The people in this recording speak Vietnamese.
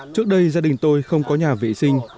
trước đây gia đình tôi không có nhà vệ sinh